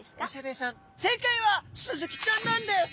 正解はスズキちゃんなんです！